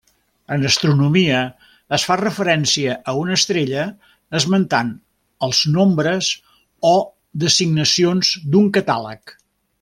En astronomia es fa referència a una estrella esmentant els nombres o designacions d'un catàleg.